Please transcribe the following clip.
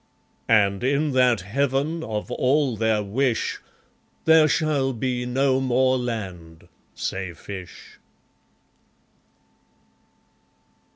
And in that Heaven of all their wish, There shall be no more land, say fish.